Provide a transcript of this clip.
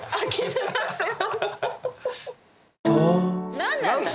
何なんだろ